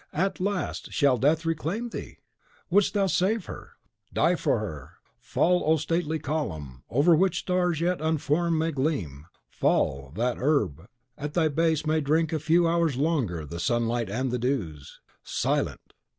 At last shall Death reclaim thee? Wouldst thou save her? DIE FOR HER! Fall, O stately column, over which stars yet unformed may gleam, fall, that the herb at thy base may drink a few hours longer the sunlight and the dews! Silent!